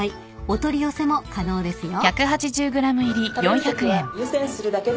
［お取り寄せも可能ですよ］